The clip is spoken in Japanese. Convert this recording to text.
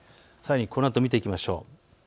さらにこのあと、見ていきましょう。